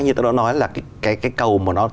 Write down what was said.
như tôi đã nói là cái cầu mà nó